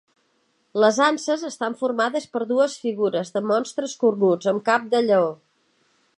Les anses estan formades per dues figures de monstres cornuts amb cap de lleó.